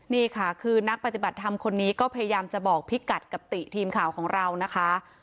นี่ค่ะคือนักปฏิบัติธรรมคนนี้ก็พยายามจะบอกพี่กัดกับติทีมข่าวของเรานะคะ